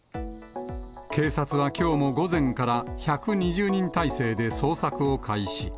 警察はきょうも午前から１２０人態勢で捜索を開始。